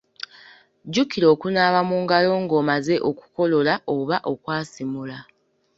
Jjukira okunaaba mu ngalo ng’omaze okukolola oba okwasimula.